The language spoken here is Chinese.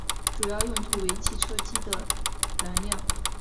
主要用途为汽油机的燃料。